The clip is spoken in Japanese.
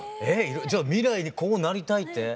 えっじゃあ未来にこうなりたいって？